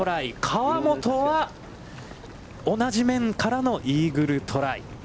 河本は同じ面からのイーグルトライ。